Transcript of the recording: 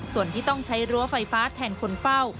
ส่วนที่ต้องใช้รั้วไฟฟ้าแทนคนเฝ้า